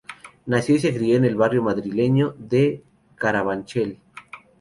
Nació y se crio en el barrio madrileño de Carabanchel.